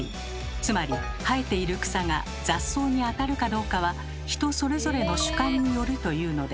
つまり生えている草が雑草にあたるかどうかは人それぞれの主観によるというのです。